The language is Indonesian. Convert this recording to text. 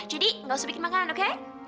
jadi enggak usah bikin makanan oke